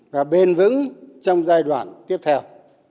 và bền vững trong giai đoạn tiếp theo